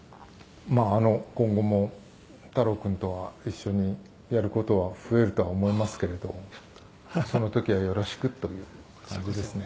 「今後も太郎君とは一緒にやる事は増えるとは思いますけれどその時はよろしくという感じですね」